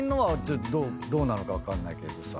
どうなのか分かんないけどさ。